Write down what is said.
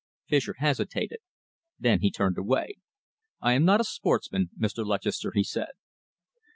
Fischer hesitated. Then he turned away. "I am not a sportsman, Mr. Lutchester," he said.